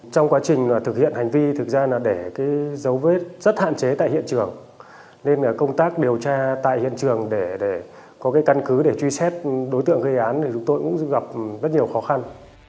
trong quá trình thực hiện hành vi thực ra là để cái dấu vết rất hạn chế tại hiện trường nên công tác điều tra tại hiện trường để có cái căn cứ để truy xét đối tượng gây án thì chúng tôi cũng gặp rất nhiều khó khăn